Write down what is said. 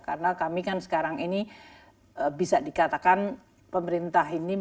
karena kami kan sekarang ini bisa dikatakan pemerintah ini